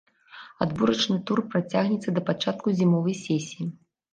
Адборачны тур працягнецца да пачатку зімовай сесіі.